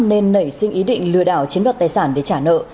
nên nảy sinh ý định lừa đảo chiếm đoạt tài sản để trả nợ